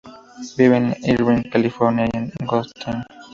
Vive en Irvine, California y en Göttingen.